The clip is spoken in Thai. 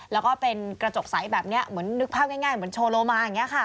แล้วก็เป็นกระจกใสแบบนี้เหมือนนึกภาพง่ายเหมือนโชว์โลมาอย่างนี้ค่ะ